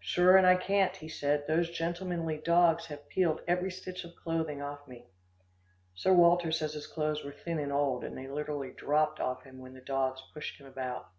"Sure and I can't," he said, "those gentlemanly dogs have peeled every stitch of clothing off me." Sir Walter says his clothes were thin and old, and they literally dropped off him, when the dogs pushed him about.